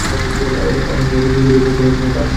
অ্যাজাক আমাকে নেতৃত্ব দিতে বেছে নিয়েছে কেন তা জানিও না।